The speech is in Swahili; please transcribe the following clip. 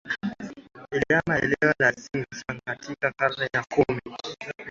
ilihamia eneo la Xinjiang Katika karne ya kumi